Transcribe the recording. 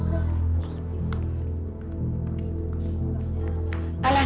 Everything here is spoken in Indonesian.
mungkin ini itu halnya